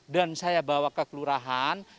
dan saya bawa ke kelurahan